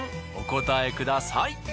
お答えください。